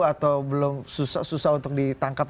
atau belum susah untuk ditangkap